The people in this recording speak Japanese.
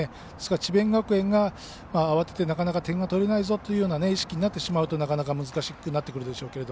智弁学園が慌てて、なかなか点が取れないぞというような意識になってしまうとなかなか難しくなってくるでしょうけど。